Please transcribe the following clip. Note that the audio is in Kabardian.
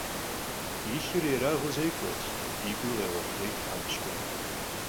И лъыр ерагъыу зекӀуэрт, и гур къеуэ къудейт тхьэмыщкӀэм.